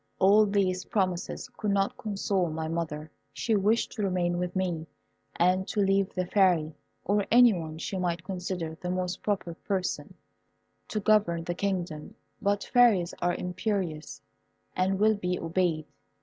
All these promises could not console my mother. She wished to remain with me, and to leave the Fairy, or any one she might consider the most proper person, to govern the kingdom; but fairies are imperious, and will be obeyed.